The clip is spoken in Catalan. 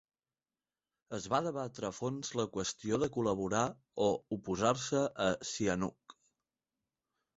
Es va debatre a fons la qüestió de col·laborar o oposar-se a Sihanouk.